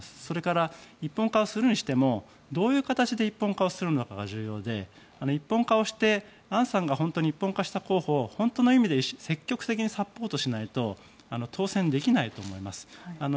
それから、一本化をするにしてもどういう形で一本化をするのかが重要で一本化をしてアンさんが本当に一本化した候補を本当の意味で積極的にサポートしないと当選できないと思います。